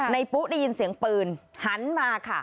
ปุ๊ได้ยินเสียงปืนหันมาค่ะ